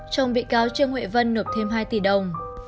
chồng bị cáo trương huệ vân nộp thêm hai tỷ đồng